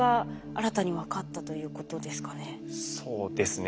そうですね。